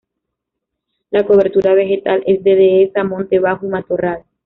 La cobertura vegetal es de dehesa, monte bajo y matorral.